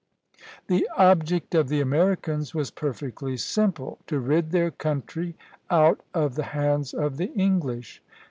The object of the Americans was perfectly simple, to rid their country out of the hands of the English.